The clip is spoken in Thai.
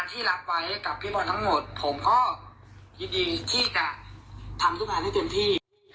ที่รับไว้กับพี่บอลทั้งหมดผมก็ยินดีที่จะทำทุกงานให้เต็มที่